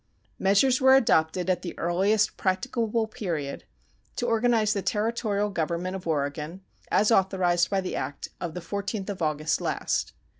Measures were adopted at the earliest practicable period to organize the "Territorial government of Oregon," as authorized by the act of the 14th of August last.